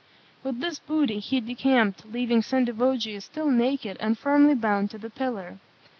With this booty he decamped, leaving Sendivogius still naked and firmly bound to the pillar.